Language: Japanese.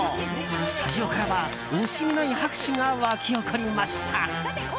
スタジオからは惜しみない拍手が沸き上がりました。